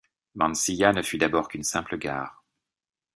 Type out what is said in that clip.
Mansilla ne fut d'abord qu'une simple gare.